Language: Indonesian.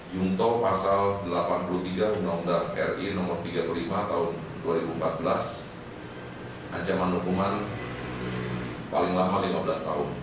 junto pasal delapan puluh tiga undang undang ri no tiga puluh lima tahun dua ribu empat belas ancaman hukuman paling lama lima belas tahun